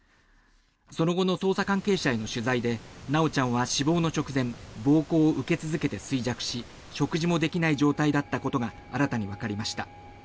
その後の捜査関係者への取材で修ちゃんは死亡の直前暴行を受け続けて衰弱し食事もできない状態だったことが新たにわかりました。